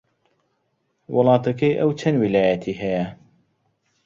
وڵاتەکەی ئەو چەند ویلایەتی هەیە؟